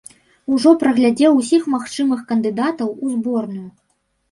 Ужо праглядзеў усіх магчымых кандыдатаў у зборную.